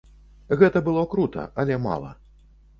Гэта было крута, але мала.